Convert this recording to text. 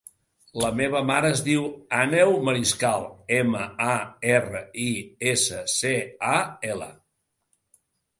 La meva mare es diu Àneu Mariscal: ema, a, erra, i, essa, ce, a, ela.